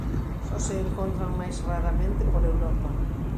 Só se encontran máis raramente por Europa.